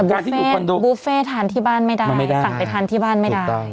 บุฟเฟ่ทานที่บ้านไม่ได้สั่งไปทานที่บ้านไม่ได้